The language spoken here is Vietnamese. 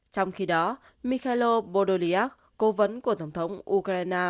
trong khi đó mikhailo bodo cố vấn của tổng thống ukraine